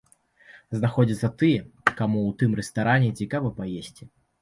Знаходзяцца тыя, каму ў тым рэстаране цікава паесці.